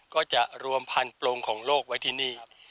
ก็จะรวมพันโปรงของโลกไว้ที่นี่